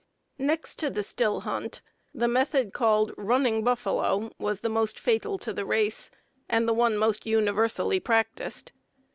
"_ Next to the still hunt the method called "running buffalo" was the most fatal to the race, and the one most universally practiced.